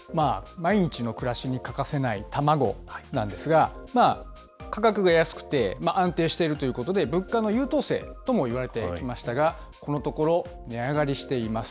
毎日の暮らしに欠かせないたまごなんですが、価格が安くて、安定しているということで、物価の優等生ともいわれてきましたが、このところ、値上がりしています。